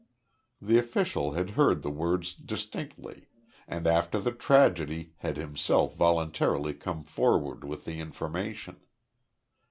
The official had heard the words distinctly, and after the tragedy had himself voluntarily come forward with the information.